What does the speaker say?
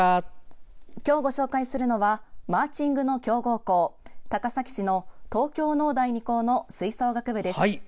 今日ご紹介するのはマーチングの強豪校、高崎市の東京農大二高の吹奏楽部です。